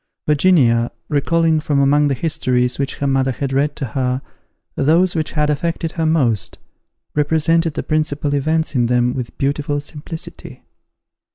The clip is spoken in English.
Virginia, recalling, from among the histories which her mother had read to her, those which had affected her most, represented the principal events in them with beautiful simplicity.